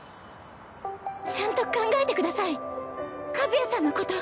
ちゃんと考えてください和也さんのこと。